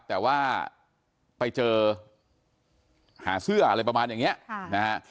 แต่ว่าไปเจอหาเสื้ออะไรประมาณอย่างนี้นะฮะ